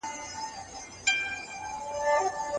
د دلارام په شېلو کي کله کله ډېر خطرناک سېلابونه راځي.